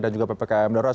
dan juga ppkm darurat